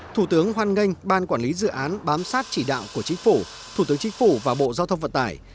thủ tướng hoan nghênh ban quản lý dự án bám sát chỉ đạo của chính phủ thủ tướng chính phủ và bộ giao thông vận tải